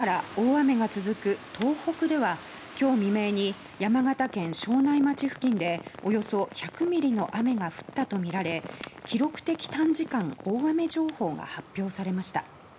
また、８日月曜から大雨が続く東北では今日未明に山形県庄内町付近でおよそ１００ミリの雨が降ったとみられ記録的短時間大雨情報が発表されました。